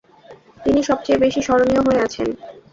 তিনি সবচেয়ে বেশি স্মরণীয় হয়ে আছেন।